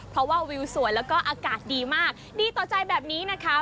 เพราะว่าวิวสวยแล้วก็อากาศดีมากดีต่อใจแบบนี้นะคะ